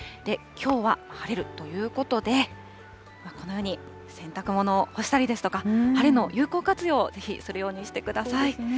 きょうは晴れるということで、このように洗濯物を干したりですとか、晴れの有効活用を、ぜひするようにしてください。